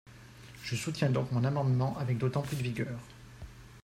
Je soutiens donc mon amendement avec d’autant plus de vigueur.